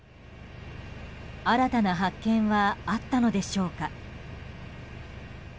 新たな発見はあったのでしょうか。